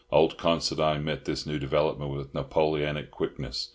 Old Considine met this new development with Napoleonic quickness.